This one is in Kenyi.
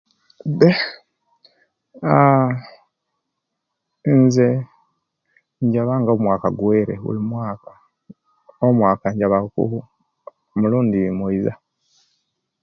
Mbe aah inze njaba nga omwaka guwere bulimwaka omwaka injabaku mulundi moyiza